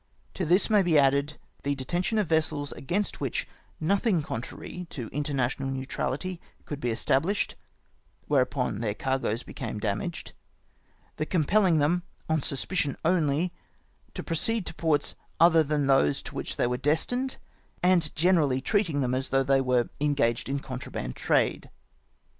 To this may be added, the deten tion of vessels against which nothing contrary to mter national neutrality could be estabhshed, whereby thek cargoes became damaged ; the compelling them, on sus picion only, to proceed to ports other than those to which they were destined, and generally treating them as though they were engaged in contraband trade.